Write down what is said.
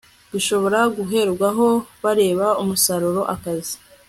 bishobora guherwaho bareba umusaruro akazi